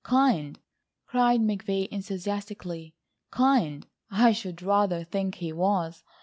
"Kind!" cried McVay enthusiastically. "Kind! I should rather think he was.